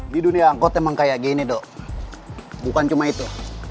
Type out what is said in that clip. di dunia angkot emang kayak gini dok bukan cuma itu